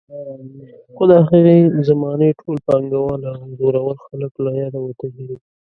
خو د هغې زمانې ټول پانګوال او زورور خلک له یاده وتلي دي.